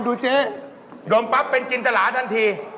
เดี๋ยวจะกินเป็นจินตะระทันที